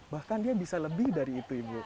bahkan dia bisa lebih dari itu ibu